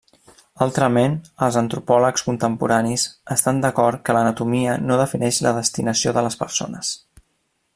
Altrament, els antropòlegs contemporanis estan d'acord que l'anatomia no defineix la destinació de les persones.